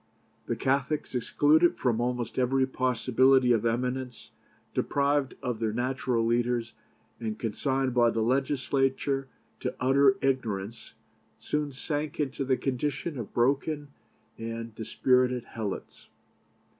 The Catholics, excluded from almost every possibility of eminence, deprived of their natural leaders, and consigned by the Legislature to utter ignorance, soon sank into the condition of broken and dispirited helots.